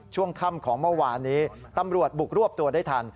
ช่วงค่ำของเมื่อวานนี้ตำรวจบุกรวบตัวได้ทัน